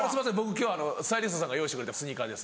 今日スタイリストさんが用意してくれたスニーカーです。